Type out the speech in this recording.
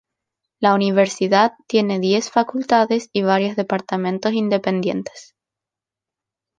La universidad tiene diez facultades y varios departamentos independientes.